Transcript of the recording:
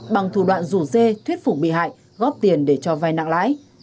bằng thủ đoạn rủ dê thuyết phục bị hại góp tiền để cho vai nặng lãi